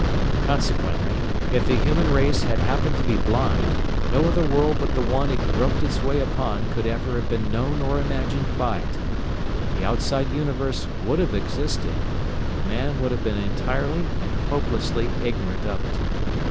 Consequently, if the human race had happened to be blind, no other world but the one it groped its way upon could ever have been known or imagined by it. The outside universe would have existed, but man would have been entirely and hopelessly ignorant of it.